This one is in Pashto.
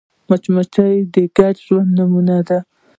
مچمچۍ د ګډ ژوند نمونه ده